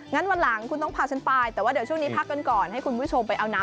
งั้นวันหลังคุณต้องพาฉันไป